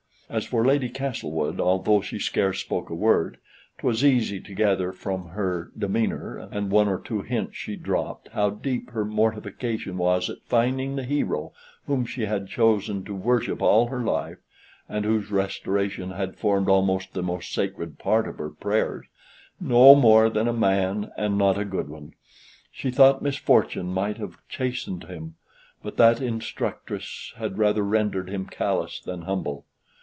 As for Lady Castlewood, although she scarce spoke a word, 'twas easy to gather from her demeanor, and one or two hints she dropped, how deep her mortification was at finding the hero whom she had chosen to worship all her life (and whose restoration had formed almost the most sacred part of her prayers), no more than a man, and not a good one. She thought misfortune might have chastened him; but that instructress had rather rendered him callous than humble.